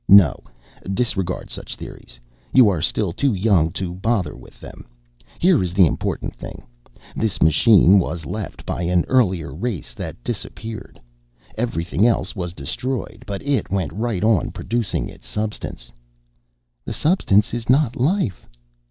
"No, disregard such theories. You are still too young to bother with them. Here is the important thing this machine was left by an earlier race that disappeared. Everything else was destroyed but it went right on producing its substance." "The substance is not life."